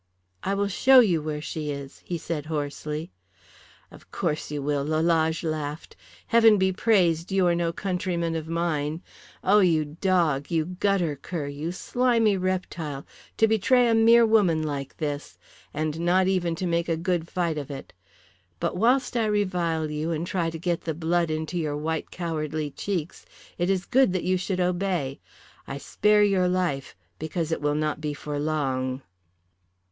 "I will show you where she is," he said hoarsely. "Of course you will," Lalage laughed. "Heaven be praised you are no countryman of mine? Oh you dog, you gutter cur, you slimy reptile, to betray a mere woman like this! And not even to make a good fight of it. But whilst I revile you and try to get the blood into your white cowardly cheeks it is good that you should obey. I spare your life because it will not be for long."